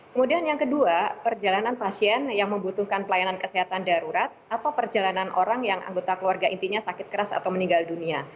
kemudian yang kedua perjalanan pasien yang membutuhkan pelayanan kesehatan darurat atau perjalanan orang yang anggota keluarga intinya sakit keras atau meninggal dunia